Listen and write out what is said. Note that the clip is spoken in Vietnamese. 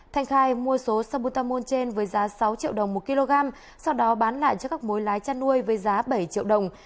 thanh khai mua số samputamol trên với giá sáu triệu đồng một kg sau đó bán lại cho các mối lái chăn nuôi với giá bảy triệu đồng